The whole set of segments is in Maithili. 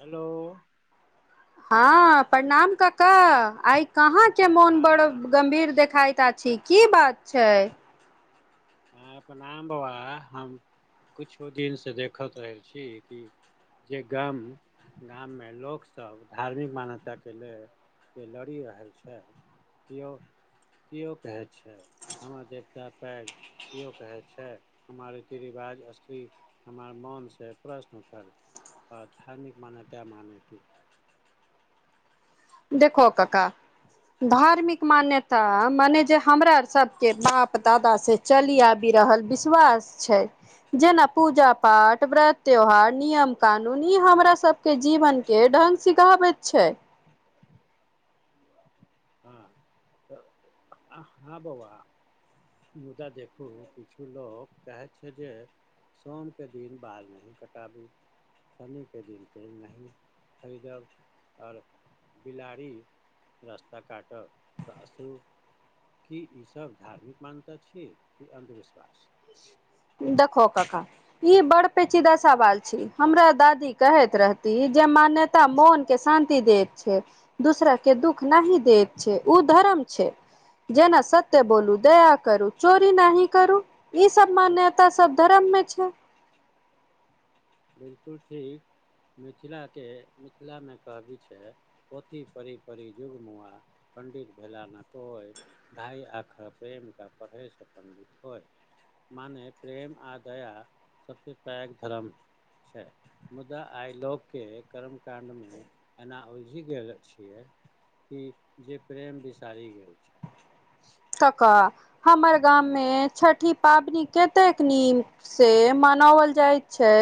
हेलो हँ प्रणाम क का ऽ आइ कहाँ के मोन बड़ हँ गम्भीर देखायता छी की बात छई। हँ प्रणाम बोआ हम किछो दिनसँ देखैत रहै छी कि जे गाम गाममे लोक सब धार्मिक मान्यताके लेल के लड़ि रहल छै, किओ केओ कहै छै, हमर देवता पैघ केओ कहै छै, हमर रीति रिवाज असली हमर मोनसँ प्रश्न उठल आ धार्मिक मान्यता माने के देखो क का धार्मिक मान्यता मने जे हमरा सबके बाप दादा से चलि आबि रहल विश्वास छै। जेना पूजा पाठ व्रत त्यौहार नियम कानून ई हमरा सब के जीवन के ढंग सीखा बैत छै हँ त हँ बौआ मुदा देखू किछु लोक कहाहै छै जे सोमके दिन बाल नहि कटाबू शनिके दिन तेल नहि खरीदब आओर बिलाड़ि रास्ता काटब त अशुभ की ईसभ धार्मिक मान्यता छियै, कि अन्धविश्वास देखो क का ई बड़ पेचीदा सवाल छी, हमरा दादी कहैत रहती जे मानत मोन के शान्ति देत छै। दूसरा के दुःख नहि दैत छै ओ धरम छै। जेना सत्य बोलू दया करू चोरी नहीं करू ई सब मान्य तऽ सब धरमे छै। बिलकुल ठीक मिथिलाके मिथिलामे कहबी छै। पोथी पिड़ी पिड़ी जुगमआ पण्डित भेल ना कोइ ढ़ाइ आखर प्रेम का पढ़य सो पण्डित होय मानेे प्रेम आ दया सबसे पैघ धरम छैय मुदा आईलोग के कर्मकाण्डमे एना उलझि गेल छियै कि जे प्रेम बिसारि गेल छे कक्का हमर गाम मे छठि पाबनि कतेक नीम से मनाओल जाइत छै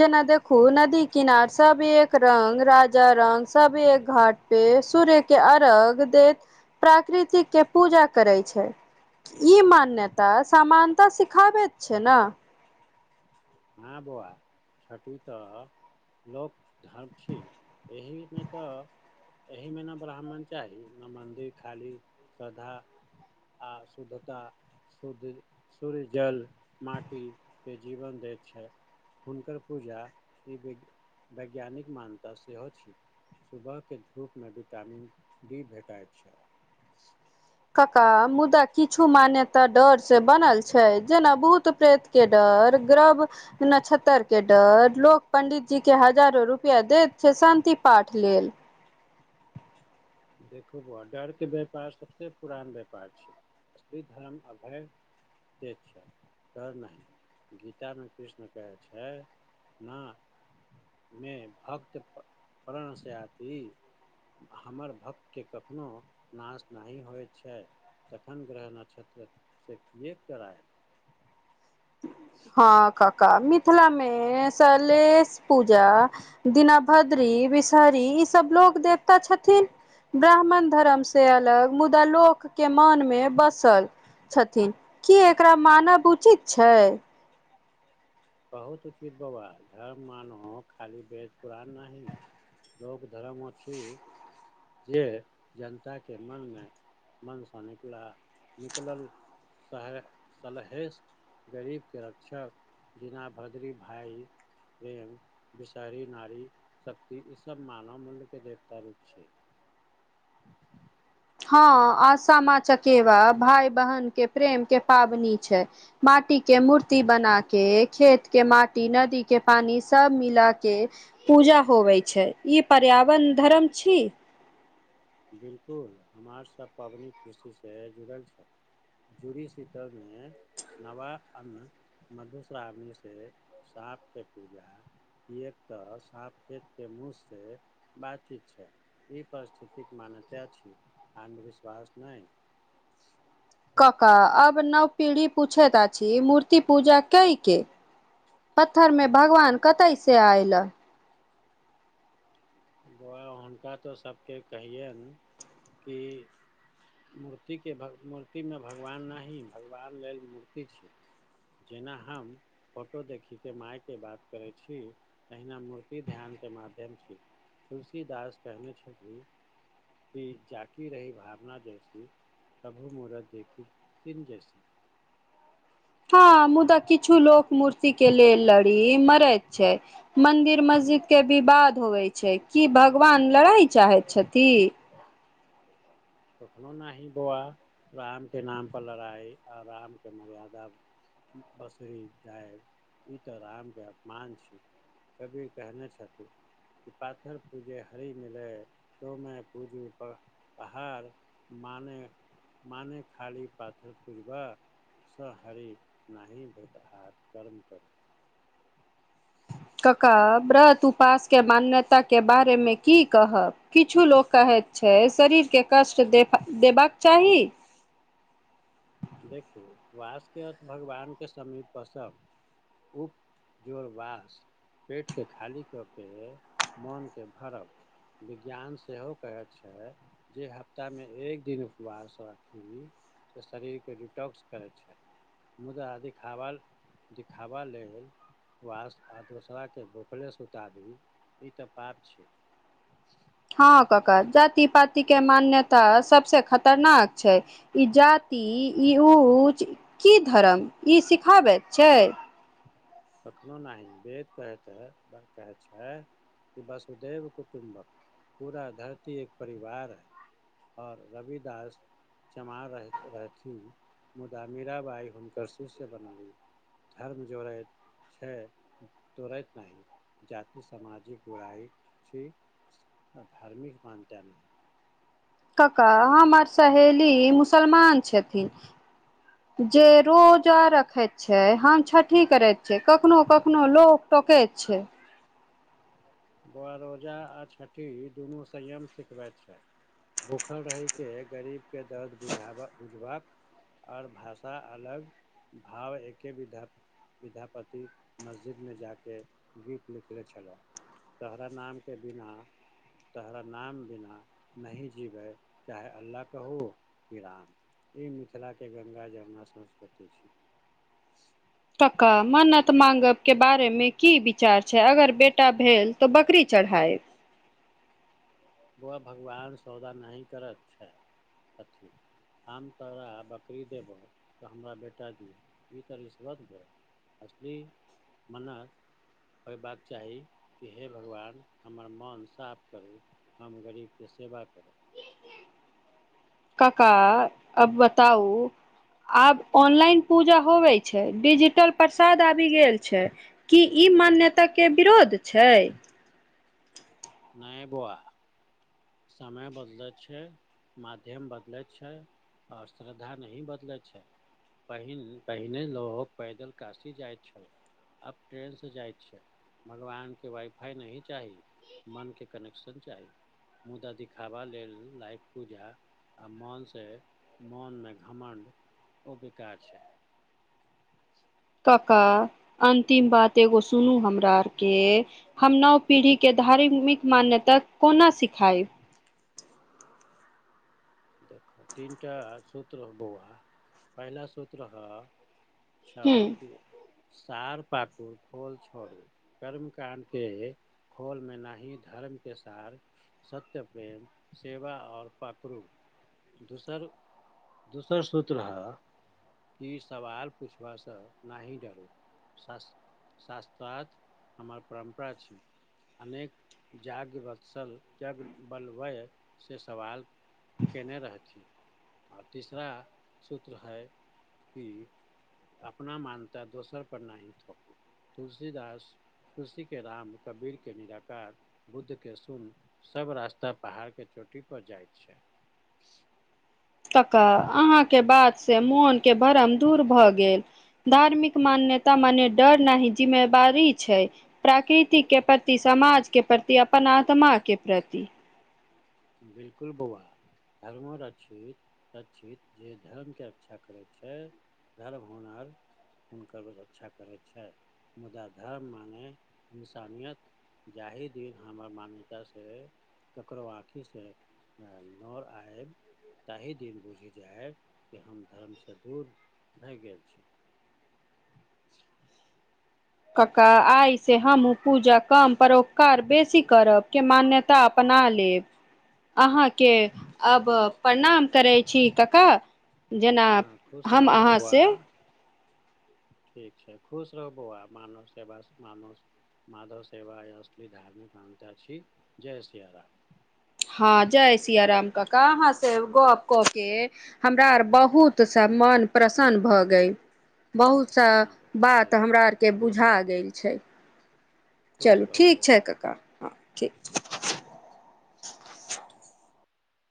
जेना देखू नदी किनार सब एक रंग राजा रंग सब एक घाट पे सूर्य के अरघ देत प्राकृतिक के पूजा करै छै ई मान्यता समानता सिखाबैत छै नऽ हँ बौआ छठि तऽ लोक धाम छी एहिमे तऽ एहिमे नऽ ब्राह्मण चाही नऽ मन्दिर खाली श्रद्धा आ शुद्धता शुद्ध सूर्य जल माटि के जीवन दे छै हुनकर पूजा ई बिग वैज्ञानिक मान्यता सेहो छि। सुबहके धूपमे विटामिन डी भेटैत छै। कक्का मुदा किछु मान्यता डर से बनल छै जेना भूत-प्रेत के डर ग्रभ नझतर के डर लोक पंडित जी के हजारो रूप रुपआ दैत छै शान्ति पाठ लेल देखू बौआ डर के व्यापार सबसे पुरान व्यापार छै असली धर्म अभय से छैय डर नहि गीतामे कृष्ण कहै छै ना मे भक्त प्रणसँ आती हमर भक्तके कखनो नाश नहि होय छै तखन ग्रह नक्षत्र से किएक डरायब हँ काका मिथिलामे सेलेश पूजा दीना भद्री विषहरी ई सब लोग देवता छथिन ब्राह्मण धरम से अलग मुदा लोकके मनमे बसल छथिन की एकरा मानब उचित छै। बहुत उचित बौआ धर्म मानो खाली बेद पुरान नहि। लोक धरम अछि। जे जनताके मनमे मन सऽ निकला निकलल सहड़ सलहेश गरीबके रक्षा जेना भद्री भाय प्रेम विषहरी नारी शक्ति ई सब मानव मुल्यके देवता रूप छै [inaudible] हँ आ सामा-चकेवा भाय-बहन के प्रेम के पाबनि छै। माटी के मूर्ति बना के खेत के माटी नदी के पानी सब मिला के पूजा होबै छै ई पर्यावरण धरम छी बिल्कुल हमार सब पबनी कृषिसँ जुड़ल छथि जूड़ी सीतल नै, नबा अन्न मधुश्रावणी से साँपके पूजा, कि एक त साप खेत के मुँह से बातचीत छै ई प्ररस्थि, तित नामे केद छी अन्धविश्वास नय। कका अब नव पीढ़ी पूछैत आ छी मूर्ति पूजा कइ के, पत्थर में भगवान कतेए स आइल। बौआ हुनका त सबके कहियैन कि, मूर्तिके भग मूर्तिमे भगवान नहि भगवान लेल मूर्ति छी। जेना हम, फोटो देखी के माईके बात करै छी तहिना मूर्ति ध्यान के माध्यम छी, तुलसीदास कहने छथिन कि जाकी रही भात, अपना जैसी तभु मरत देखखि किनी जैसी, हाँ मुदा किछु लोक मूर्ति के लेल लड़ी मरैत छैए। मन्दिर मस्जिद के बिबाद होवेय छैय की भगवान लड़ाई चाहैत छथि। कखनो न ही बोआ राम के नाम पर लड़ाई और राम के मर्यादा, बसुरी जाय, ई त रामके अपमान छैय। तभी कहने छाथिन। पाथर पूजे हरि मिलय तो मैं पूजू प, हार माने माने खाली पाथर पूवा, स हरिे नहि भेट हात कर्म करू। कक्का व्रत उपासके मान्यताके बारेमे की कहब किछु लोक कहैत, छैय शरीरके कष्ट दे देबक चाही। देखू वासके अर्थ भगवानके समीपपस, उपजोड़वास, पेट के खाली क के मोन के भरब, विज्ञान सेहो कहै छैय, जे हफ्तामे एक दिन उपवास अथी शरीरके डिटॉक्स करै छैय। मुदा दिखावल दिखावा लेल, व्वास् आर दोसराके बोखले सुतादी ई त पाप छै। हँ कक्कार जाति पाति के मान्यता सबसे खतरनाक छैय। ई जाति ई ऊचं की धर्म ई सिखाबैत छैय। कखनो नइ देव कहैत है बर कहै छैय कि वसुधैव कुटुम्बक, [unintelligible] चमार रहेत रहथिन मुदा मीरा बाइ हुनकर शिष्य बन, धर्म जइ, छै तोरैत नहि जाति सामाजिक बुराइ छी, धार्मिक मानटा नै। कक्का हमर सहेली मुसलमान छथिन। जे रोजा रखै छैय हम छठि करैत छियै कखनो कखनो लोक टोकैत छै। ब रोजा आ छठी दुनू संयम से करक छैय। भूखल रहिके गरीबके दर्द बुझाबै बुझबक, आओर भाषा अलग, भाव एके विध, विद्यापति मस्जिदमे जाके गीत लिखै छलैह। तहरा नामके बिना तोहरा नाम बिना नहि जिबै चाहे अल्लाह कहौ कि राम। ई मिथिलाके गंगा जमुना संस्कृति छी। कका मन्नत माँगयके बारेमे की विचार छै, अगर बेटा भेल तऽ बकरी चढ़ायब बौआ भगवान सौदा नहि करैत छै, छथिन। हम तोरा बकरी देबौ तऽ हमरा बेटा दिअ, ई तऽ रिश्वत भेल। असली मन्नत होयबाक चाही कि हे भगवान हमर मोन साफ करू हम गरीबके सेवा करब। कक्का, अब बताऊ आब ऑनलाइन पूजा होवे छै डिजिटल प्रसाद आबि गेल छै। की ई मान्यताके विरोध छै? नै बौआ। समय बदलैत छै माध्यम बदलैत छै और श्रद्धा नहि बदलै छै। पहि पहिने लोक पैदल कासी जाइत छल। आब ट्रेनसँ जाइत छै, भगवानके वाइफाइ नहि चाही। मनके कनेक्शन चाही। मुदा दिखावा लेल लाइव पूजा आ मोनसे मोनमे घमण्ड, ओ बेकार छै। कका अंतिम बात एगो सुनू हमरा आर के, हम नव पीढ़ी के धार्मिक मान्यता कोना सिखायब? देखू तीनटा सूत्र ह बौआ, पहिला सूत्र ह छ हूँ कि सार पाकुर खोल छोड़ू कर्म काण्ड के खोल मे न ही, धर्म के सार सत्य, प्रेम, सेवा और पखरू दोसर दोसर सूत्र ह की सवाल पूछबासँ नहि डरू। शास्त्र शास्त्रार्थ हमर परम्परा छी। अनेक जागवत्सल जागबल्वय से सवाल कयने रहथिन, आओर तीसरा सूत्र हइ कि अपना मान्यता दोसर पर नहि थोपू, तुलसीदास तुलसी के राम, कबीर के निराकार, बुद्ध के शून्य सब रास्ता पहाड़ के चोटी पर जाइत छै। कका अहाँके बातसे मोनके भरम दूर भऽ गेल। धार्मिक मान्यता मने डर नहि जिम्मेवारी छै। प्राकृति के प्रति, समाज के प्रति, अपन आत्मा के प्रति बिलकुल बौआ। धर्मो रक्षित रक्षित जे धर्मके रक्षा करै छै गर्व हुनर हुनकर रक्षा करैत छथि मुदा धर्म माने इंसानियत जाहि दिन हमर मान्यता से ककरो आं खि से नोर आयब ताहि दिन बुझि जायब कि हम धर्मसँ दूर भए गेल छी। ज [inaudible] कका आइसँ हमहूँ पूजा कम परोपकार बेसी करब के मान्यता त अपना लेब अहाँके अब प्रणाम करै छी कका जेना हँ खुश हम रहू बौआ अहाँसँ ठीक छै खुश रहबौ आ मानव सेबा मानव माधव सेव यसल धार्मिक प्रानता छी जय श्रीह राम। हँ जय सिया राम का आहाँ से गप क के हमरा आर बहुत सा मन प्रसन्न भऽ गेल बहुत सँ हँ बौआ बात ठीक छै हमरा आरके खुश बुझा रहू गेल छै। खुश चलू रहू ठीक बौआ छै क्का हँ ठीक छै।